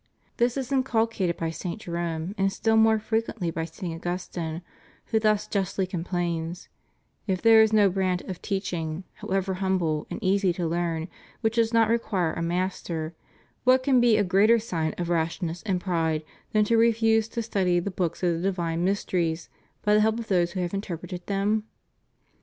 ^ This is inculcated by St. Jerome, and still more frequently by St. Augustine, who thus justly complains: "If there is no branch of teaching, however humble and easy to learn, which does not require a master, what can be a greater sign of rashness and pride than to refuse to study the books of the divine mysteries by the help of those who have interpreted them?"